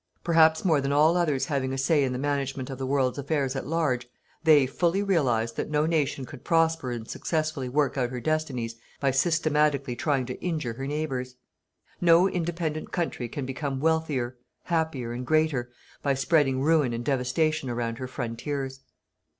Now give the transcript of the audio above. Perhaps more than all others having a say in the management of the world's affairs at large, they fully realized that no nation could prosper and successfully work out her destinies by systematically trying to injure her neighbours. No independent country can become wealthier, happier, and greater, by spreading ruin and devastation around her frontiers.